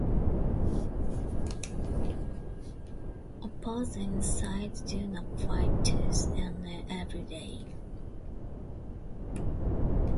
Opposing sides do not fight tooth and nail every day.